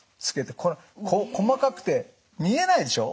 細かくて見えないでしょ？